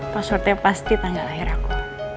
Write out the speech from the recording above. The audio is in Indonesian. passwordnya pasti tanggal lahir aku